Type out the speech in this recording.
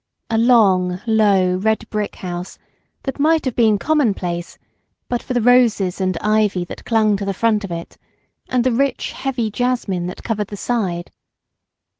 A long, low, red brick house, that might have been common place but for the roses and ivy that clung to the front of it, and the rich, heavy jasmine that covered the side.